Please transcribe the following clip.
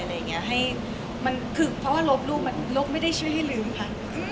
เพราะว่าลบรูปมันลบไม่ได้ช่วยให้ลืมค่ะ